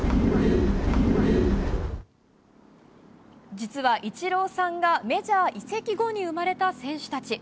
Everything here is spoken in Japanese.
実は、イチローさんがメジャー移籍後に生まれた選手たち。